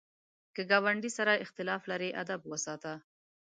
که ګاونډي سره اختلاف لرې، ادب وساته